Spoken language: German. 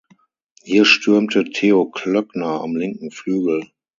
Hier stürmte Theo Klöckner am linken Flügel.